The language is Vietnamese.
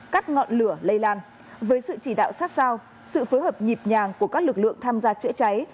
cắt ngọn lửa lây lan với sự chỉ đạo sát sao sự phối hợp nhịp nhàng của các lực lượng tham gia chữa cháy